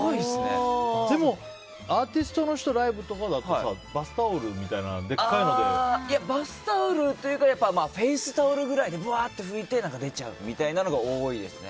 でも、アーティストの人ライブとかだとさバスタオルみたいなバスタオルというかフェイスタオルぐらいでぶわーっと拭いて出ちゃうみたいのが多いですね。